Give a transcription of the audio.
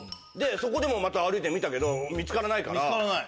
そこでもまた歩いてみたけど見つからないから。